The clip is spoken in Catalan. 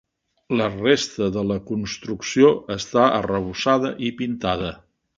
La resta de la construcció està arrebossada i pintada.